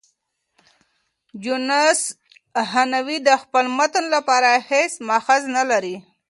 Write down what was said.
جوناس هانوې د خپل متن لپاره هیڅ مأخذ نه لري.